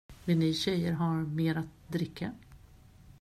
Vill ni tjejer ha mer att dricka?